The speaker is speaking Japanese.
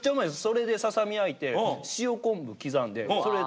それでささみ焼いて塩昆布刻んでそれで食べるんすけど。